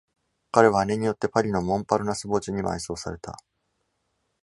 彼は姉によってパリのモンパルナス墓地に埋葬された。